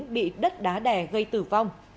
bị đất đá đè gây tử vong